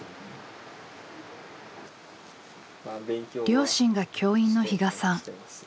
両親が教員の比嘉さん。